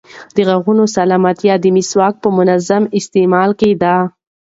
د غاښونو سلامتیا د مسواک په منظم استعمال کې ده.